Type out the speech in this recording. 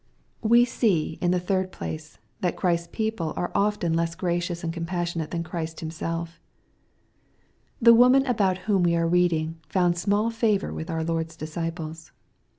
We see, in the third place, that Christ's people are often less gracious and compassionate than Christ Himself, The woman about whom we are reading, found small favor with our Lord's disciples.